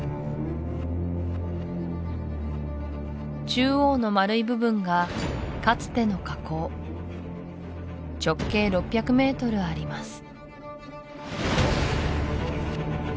中央の丸い部分がかつての火口直径６００ｍあります